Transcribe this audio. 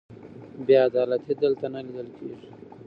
بې عدالتي دلته نه لیدل کېږي.